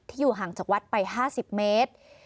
ที่อยู่ห่างจากวัดไปห้าสิบเมตร